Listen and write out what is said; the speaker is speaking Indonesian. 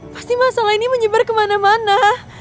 pasti masalah ini menyebar kemana mana